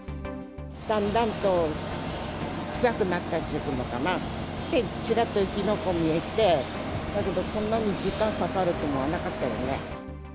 だんだんと臭くなったっていうのかな、ちらっと火の粉見えて、だけどこんなに時間かかるとは思わなかったよね。